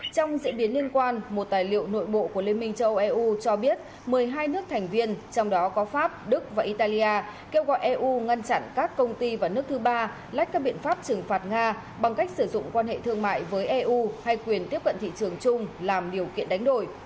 trong diễn biến liên quan một tài liệu nội bộ của liên minh châu âu eu cho biết một mươi hai nước thành viên trong đó có pháp đức và italia kêu gọi eu ngăn chặn các công ty và nước thứ ba lách các biện pháp trừng phạt nga bằng cách sử dụng quan hệ thương mại với eu hay quyền tiếp cận thị trường chung làm điều kiện đánh đổi